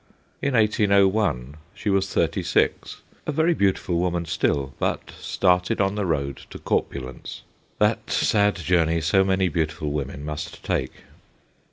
In 1801 she was thirty six, a very beautiful woman still, but started on the road to cor pulence that sad journey so many beauti ful women must take.